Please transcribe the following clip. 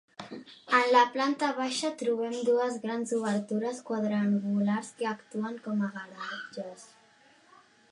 En la planta baixa trobem dues grans obertures quadrangulars que actuen com a garatges.